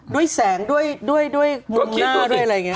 ด้วยแสงด้วยมุมหน้าด้วยอะไรอย่างนี้